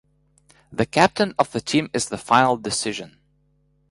The captain of the team is the final decision.